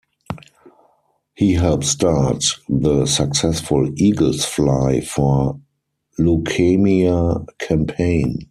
He helped start the successful Eagles Fly for Leukemia campaign.